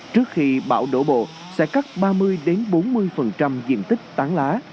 trước khi bão đổ bộ sẽ cắt ba mươi bốn mươi diện tích tán lá